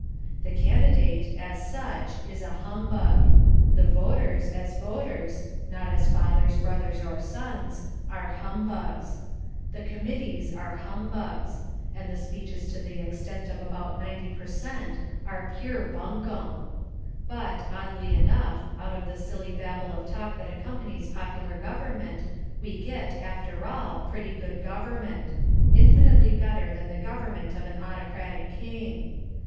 The candidate, as such, is a humbug. The voters, as voters not as fathers, brothers or sons are humbugs. The committees are humbugs. And the speeches to the extent of about ninety per cent are pure buncombe. But, oddly enough, out of the silly babel of talk that accompanies popular government, we get, after all, pretty good government infinitely better than the government of an autocratic king.